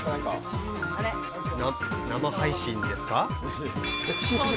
生配信ですか？